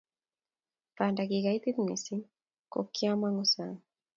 Banda kikaitit missing ko kyamangu saang